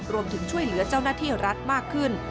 รวมถึงช่วยเหลือเจ้าหน้าที่รัฐมากขึ้น